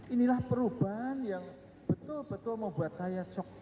inilah perubahan yang betul betul membuat saya shock